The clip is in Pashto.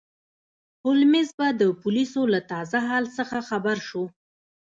هولمز به د پولیسو له تازه حال څخه خبر شو.